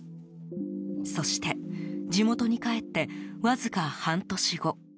そして、地元に帰ってわずか半年後。